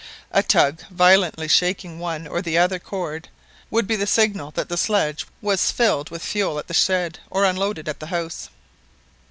A tug violently shaking one or the other cord would be the signal that the sledge was filled with fuel at the shed, or unloaded at the house.